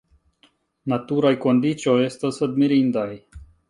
Naturaj kondiĉoj estas admirindaj.